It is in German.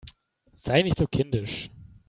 Sei nicht so kindisch!